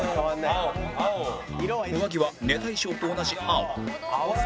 上着はネタ衣装と同じ青